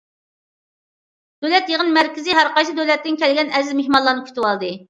دۆلەت يىغىن مەركىزى ھەر قايسى دۆلەتتىن كەلگەن ئەزىز مېھمانلارنى كۈتۈۋالدى.